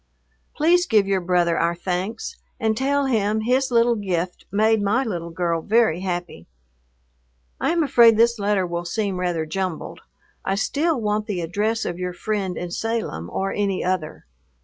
Please give your brother our thanks, and tell him his little gift made my little girl very happy. I am afraid this letter will seem rather jumbled. I still want the address of your friend in Salem or any other.